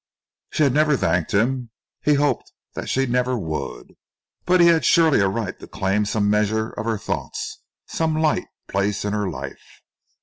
She had never thanked him he hoped that she never would but he had surely a right to claim some measure of her thoughts, some light place in her life.